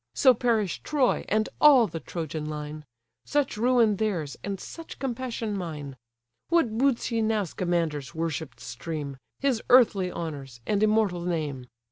So perish Troy, and all the Trojan line! Such ruin theirs, and such compassion mine. What boots ye now Scamander's worshipp'd stream, His earthly honours, and immortal name?